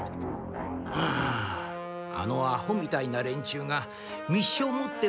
ああのアホみたいな連中が密書を持ってるとは思えないが。